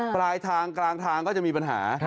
ปลายทางกลางทางก็จะมีปัญหา